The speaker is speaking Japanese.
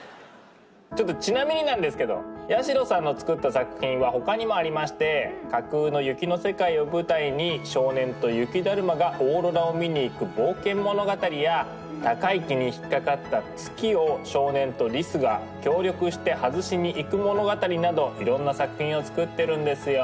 ちょっとちなみになんですけど八代さんの作った作品は他にもありまして架空の雪の世界を舞台に少年と雪だるまがオーロラを見に行く冒険物語や高い木に引っ掛かった月を少年とリスが協力して外しに行く物語などいろんな作品を作ってるんですよ。